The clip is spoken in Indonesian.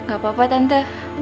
gak apa apa tante